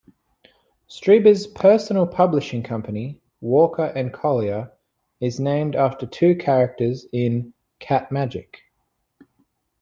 Strieber's personal publishing company, Walker and Collier, is named after two characters in "Catmagic".